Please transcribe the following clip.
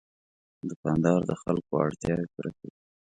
دوکاندار د خلکو اړتیاوې پوره کوي.